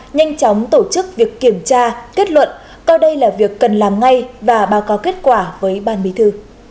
nhanh chóng tổ chức việc kiểm tra kết luận coi đây là việc cần làm ngay và báo cáo kết quả với ban bí thư